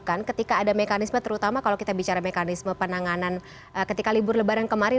ketika ada mekanisme terutama kalau kita bicara mekanisme penanganan ketika libur lebaran kemarin